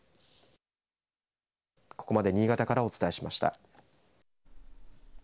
ここまで新潟からお伝えしました。